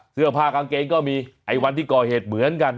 เสื้อผ้ากางเกงก็มีไอ้วันที่ก่อเหตุเหมือนกัน